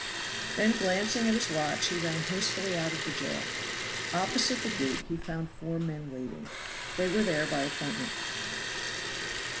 Then glancing at his watch he ran hastily out of the jail. Opposite the gate he found four men waiting; they were there by appointment.